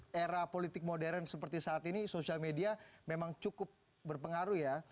di era politik modern seperti saat ini sosial media memang cukup berpengaruh ya